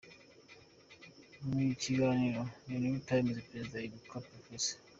Mu kiganiro na The Newtimes, Perezida wa Ibuka, Prof.